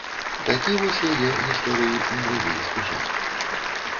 Такі вось яе, гісторыі, мудрагелісты жарт.